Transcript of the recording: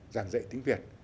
giảng dạy tiếng việt